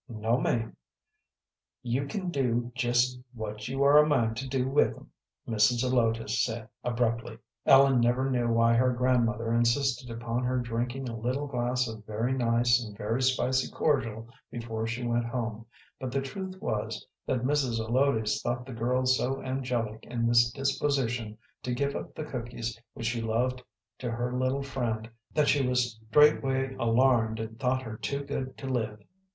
"No, ma'am." "You can do jest what you are a mind to with 'em," Mrs. Zelotes said, abruptly. Ellen never knew why her grandmother insisted upon her drinking a little glass of very nice and very spicy cordial before she went home, but the truth was, that Mrs. Zelotes thought the child so angelic in this disposition to give up the cookies which she loved to her little friend that she was straightway alarmed and thought her too good to live.